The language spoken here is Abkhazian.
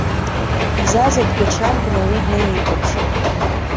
Бзаза дгачамкны уи днаихәаԥшит.